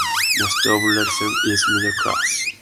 Most of Leslieville is middle class.